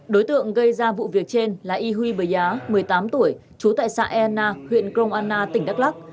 đối tượng gây ra vụ việc trên là y huy bờ giá một mươi tám tuổi chú tại xã e na huyện công an na tỉnh đắk lắc